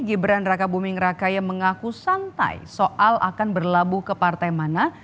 gibran raka buming rakaya mengaku santai soal akan berlabuh ke partai mana